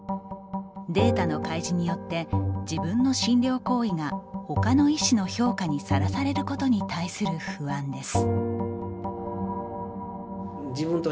データの開示によって自分の診療行為がほかの医師の評価にさらされることに対する不安です。